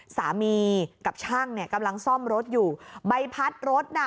สามีกับช่างเนี่ยกำลังซ่อมรถอยู่ใบพัดรถน่ะ